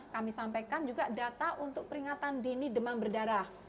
kami sampaikan juga data untuk peringatan dini demam berdarah